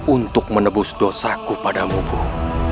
untuk menebus dosaku pada mubuh